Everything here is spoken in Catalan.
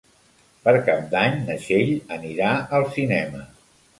Per Cap d'Any na Txell anirà al cinema.